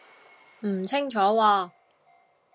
唔清楚喎